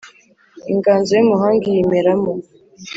inganzo y’umuhanga iyimeramo